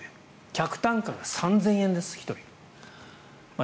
客単価が３０００円です、１人。